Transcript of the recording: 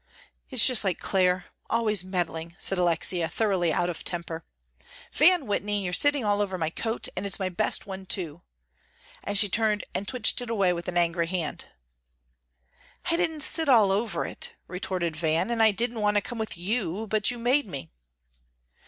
"It's just like Clare always meddling," said Alexia, thoroughly out of temper. "Van Whitney, you're sitting all over my coat, and it's my best one, too," and she turned and twitched it away with an angry hand. "I didn't sit all over it," retorted Van, "and I didn't want to come with you, but you made me."